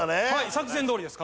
作戦どおりです